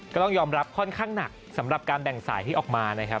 ก็ต้องยอมรับค่อนข้างหนักสำหรับการแบ่งสายที่ออกมานะครับ